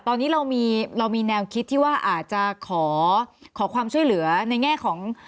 ตอนนี้เรามีแนวคิดที่ว่าอาจจะขอความช่วยเหลือในแง่ของ